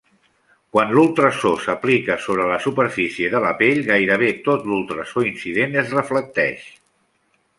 Quan l'ultrasò s'aplica sobre la superfície de la pell, gairebé tot l'ultrasò incident es reflecteix.